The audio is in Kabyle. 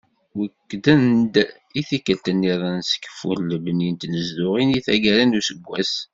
Wekkden-d i tikkelt-nniḍen s keffu n lebni n tnezduɣin deg taggara n useggas.